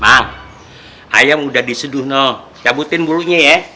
mak ayam udah diseduh no cabutin mulutnya ya